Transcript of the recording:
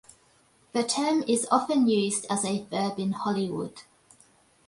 The term is often used as a verb in Hollywood.